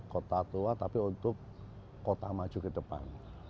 kota tua tapi untuk kota maju ke depan